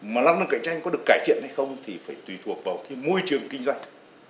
mà năng lực cạnh tranh có được cải thiện hay không thì phải tùy thuộc vào cái môi trường kinh doanh